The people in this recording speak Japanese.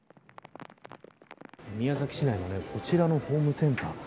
宮崎市内のこちらのホームセンター。